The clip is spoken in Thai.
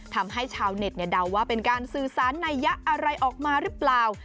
ทำให้ชาวเน็ตเดาว่าเป็นการสื่อสารนัยยะอะไรออกมาหรือเปล่า